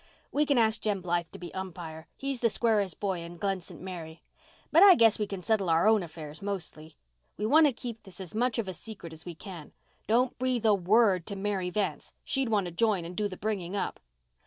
"We can ask Jem Blythe to be umpire. He is the squarest boy in Glen St. Mary. But I guess we can settle our own affairs mostly. We want to keep this as much of a secret as we can. Don't breathe a word to Mary Vance. She'd want to join and do the bringing up."